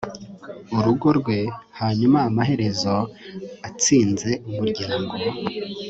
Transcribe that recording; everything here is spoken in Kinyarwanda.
urugo rwe, hanyuma amaherezo atsinze umuryango